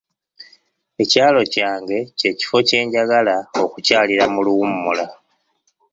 Ekyalo kyange kye kifo kyenjagala okukyalira mu luwummula.